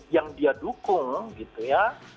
yang dia dukung gitu ya